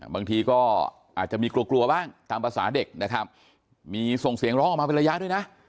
บางทีก็อาจจะมีกลัวกลัวบ้างตามภาษาเด็กนะครับมีส่งเสียงร้องออกมาเป็นระยะด้วยนะ